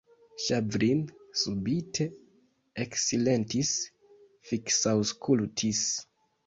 Ŝavrin subite eksilentis, fiksaŭskultis.